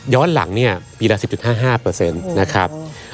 ย้อนหลังเนี่ยปีละ๑๐๕๕เปอร์เซ็นต์นะครับ